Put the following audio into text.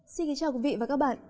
xin kính chào quý vị và các bạn